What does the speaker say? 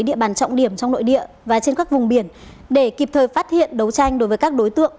địa bàn trọng điểm trong nội địa và trên các vùng biển để kịp thời phát hiện đấu tranh đối với các đối tượng